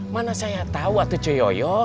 mana saya tau atuh cuy yoyo